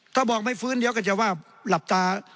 ถ้าบอกไม่ฟื้นเดี๋ยวก็จะว่าหลับตา